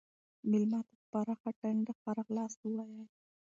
مېلمه ته په پراخه ټنډه ښه راغلاست ووایئ.